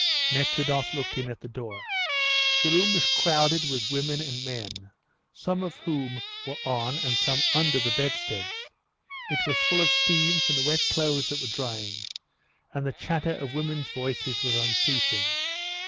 Nekhludoff looked in at the door. The room was crowded with women and men, some of whom were on and some under the bedsteads; it was full of steam from the wet clothes that were drying, and the chatter of women's voices was unceasing.